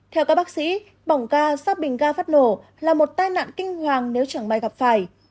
theo các bác sĩ bỏng ca xì bình ga phát nổ là một tai nạn kinh hoàng nếu chẳng may gặp phải